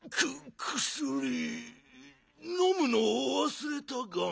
のむのをわすれたガン。